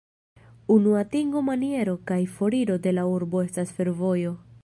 Unu atingo-maniero kaj foriro de la urbo estas fervojo.